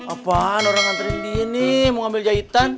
apaan orang nganterin dia nih mau ambil jahitan